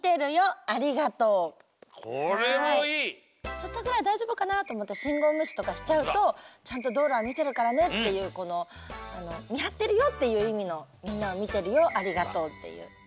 「ちょっとぐらいだいじょうぶかな？」とおもってしんごうむしとかしちゃうとちゃんとどうろはみてるからねっていう「みはってるよ」っていういみの「みんなをみてるよありがとう」っていう。